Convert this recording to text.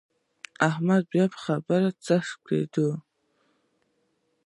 احمد بيا پر خبره څرخ کېښود.